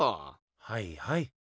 はいはい。